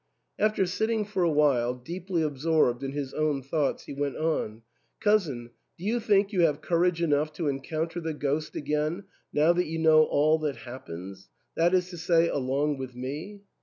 After sitting for a while, deeply absorbed in his own thoughts, he went on, " Cousin, do you think you have courage enough to encounter the ghost again now that you know all that happens, — that is to say, along with me